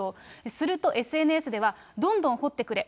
するとＳＮＳでは、どんどん掘ってくれ。